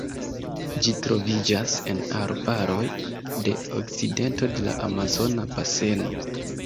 Ĝi troviĝas en arbaroj de okcidento de la Amazona Baseno.